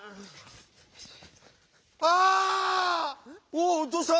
おおどうした？